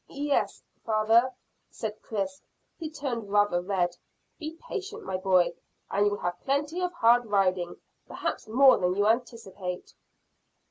"Yes, father," said Chris, who turned rather red. "Be patient, my boy, and you'll have plenty of hard riding, perhaps more than you anticipate."